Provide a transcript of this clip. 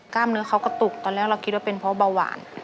เนื้อเขากระตุกตอนแรกเราคิดว่าเป็นเพราะเบาหวาน